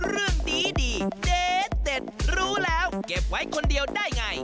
เรื่องดีเด็ดรู้แล้วเก็บไว้คนเดียวได้ไง